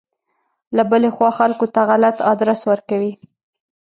له بلې خوا خلکو ته غلط ادرس ورکوي.